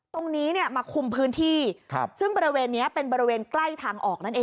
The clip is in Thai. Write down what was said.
ตรงนี้เนี่ยมาคุมพื้นที่ซึ่งบริเวณนี้เป็นบริเวณใกล้ทางออกนั่นเอง